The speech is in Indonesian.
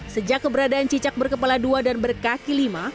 sejak keberadaan cicak berkepala dua dan berkaki lima